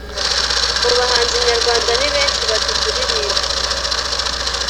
mubahanzi nyarwanda ni benshi bati kuririmba